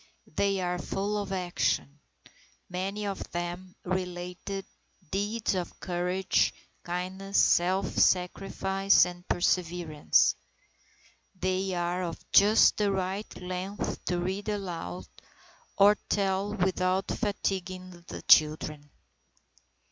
They are full of action. Many of them relate deeds of courage, kindness, self sacrifice, and perseverance. They are of just the right length to read aloud or tell without fatiguing the children.